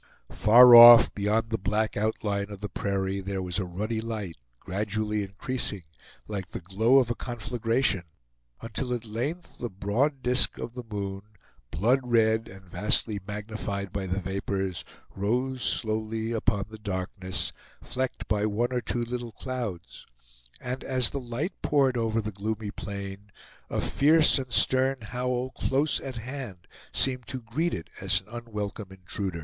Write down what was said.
Far off, beyond the black outline of the prairie, there was a ruddy light, gradually increasing, like the glow of a conflagration; until at length the broad disk of the moon, blood red, and vastly magnified by the vapors, rose slowly upon the darkness, flecked by one or two little clouds, and as the light poured over the gloomy plain, a fierce and stern howl, close at hand, seemed to greet it as an unwelcome intruder.